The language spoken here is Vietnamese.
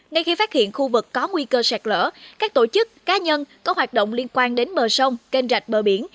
ngay khi phát hiện khu vực có nguy cơ sạt lỡ các tổ chức cá nhân có hoạt động liên quan đến bờ sông kênh rạch bờ biển